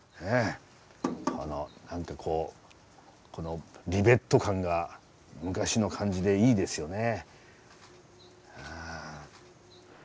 この何かこうリベット感が昔の感じでいいですよね。